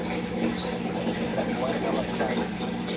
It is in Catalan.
Venim de Quart de les Valls.